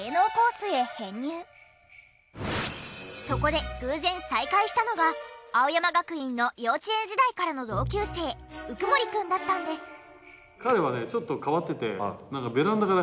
そこで偶然再会したのが青山学院の幼稚園時代からの同級生鵜久森くんだったんです。